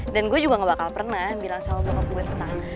dan gua juga gak bakal pernah bilang sama bokap gue tentang